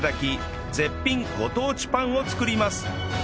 絶品ご当地パンを作ります